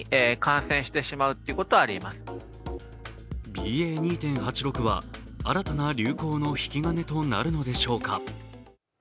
ＢＡ．２．８６は新たな流行の引き金となるのでしょうか。